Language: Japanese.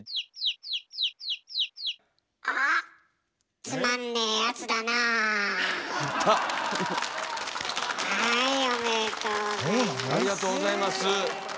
ありがとうございます。